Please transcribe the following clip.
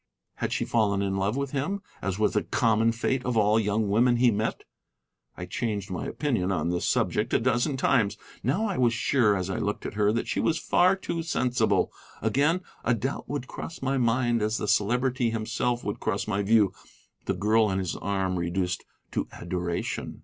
Had she fallen in love with him, as was the common fate of all young women he met? I changed my opinion on this subject a dozen times. Now I was sure, as I looked at her, that she was far too sensible; again, a doubt would cross my mind as the Celebrity himself would cross my view, the girl on his arm reduced to adoration.